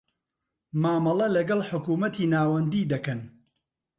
مامەڵە لەکەڵ حکومەتی ناوەندی دەکەن.